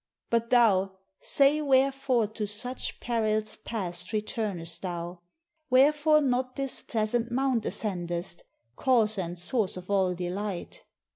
But thou, say wherefore to such perils past Return'st thou? wherefore not this pleasant mount Ascendest, cause and source of all delight?"